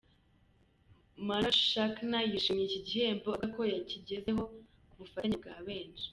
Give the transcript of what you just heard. Manoj Shanker yishimiye iki gihembo, avuga ko yakigezeho ku bufatanye bwa benshi.